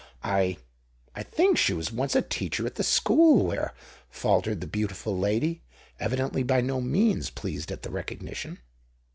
"I—I think she was once a teacher at the school, where——" faltered the beautiful lady, evidently by no means pleased at the recognition.